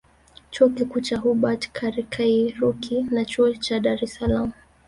Chuo Kikuu cha Hubert Kairuki na Chuo Kikuu cha Dar es Salaam